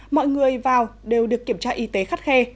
mọi người vào đều được kiểm tra y tế khắt khe